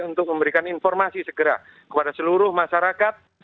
untuk memberikan informasi segera kepada seluruh masyarakat